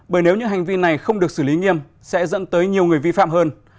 bởi nếu những hành vi này không được xử lý nghiêm sẽ dẫn tới nhiều người vi phạm hơn